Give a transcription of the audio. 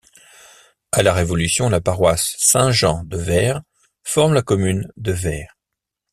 À la Révolution, la paroisse Saint-Jean de Vayres forme la commune de Vayres.